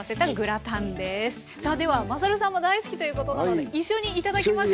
さあではまさるさんも大好きということなので一緒に頂きましょ。